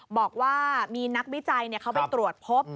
บอกว่ามีนักวิจัยเขาไปตรวจพบ